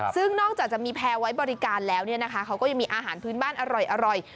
ซึ่งนอกจากจะมีแพร่ไว้บริการแล้วเนี่ยนะคะเขาก็ยังมีอาหารพื้นบ้านอร่อย